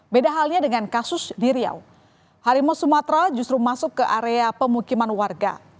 beda halnya dengan kasus di riau harimau sumatera justru masuk ke area pemukiman warga